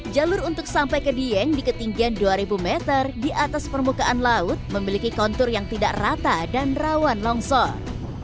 jalur untuk sampai ke dieng di ketinggian dua ribu meter di atas permukaan laut memiliki kontur yang tidak rata dan rawan longsor